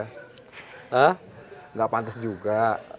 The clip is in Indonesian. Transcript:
hah gak pantas juga